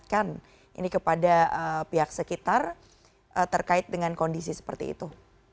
apa yang perlu diingatkan ini kepada pihak sekitar terkait dengan kondisi seperti itu